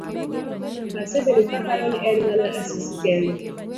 Asebedo kaparo ni en mana Asisi kende.